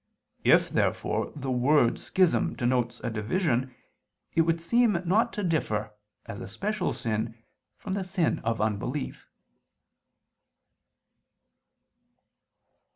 If, therefore, the word schism denotes a division, it would seem not to differ, as a special sin, from the sin of unbelief.